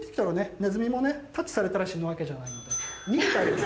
ネズミもねタッチされたら死ぬわけじゃないので逃げてあげて。